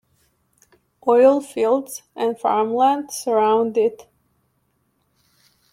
Oil fields and farmland surround it.